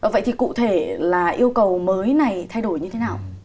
vậy thì cụ thể là yêu cầu mới này thay đổi như thế nào